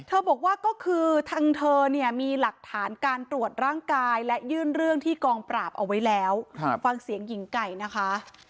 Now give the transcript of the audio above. บอกว่าก็คือทางเธอเนี่ยมีหลักฐานการตรวจร่างกายและยื่นเรื่องที่กองปราบเอาไว้แล้วฟังเสียงหญิงไก่นะคะ